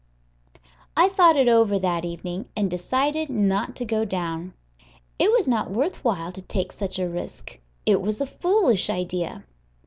I thought it over that evening, and decided not to go down. It was not worth while to take such a risk; it was a foolish idea.